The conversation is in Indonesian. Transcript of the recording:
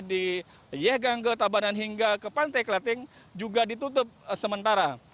di yegangge tabanan hingga ke pantai klating juga ditutup sementara